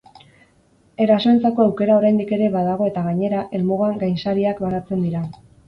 Erasoentzako aukera oraindik ere badago eta gainera, helmugan gainsariak banatzen dira.